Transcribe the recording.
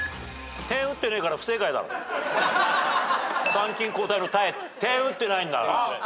「参勤交代」の「代」点打ってないんだから。